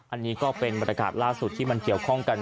อันนี้ก็เป็นบรรยากาศล่าสุดที่มันเกี่ยวข้องกัน